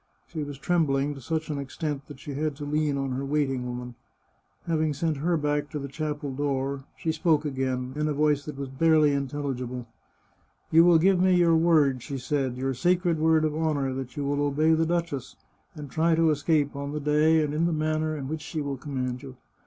She was trembling to such an extent that she had to lean on her waiting woman. Having sent her back to the chapel door, she spoke again, in a voice that was barely intelligible. " You will give me your word," she said, " your sacred word of honour, that you will obey the duchess, and try to escape on the day and in the manner in which she will command you.